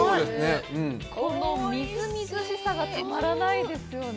このみずみずしさがたまらないですよね。